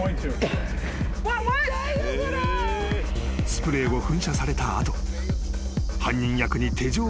［スプレーを噴射された後］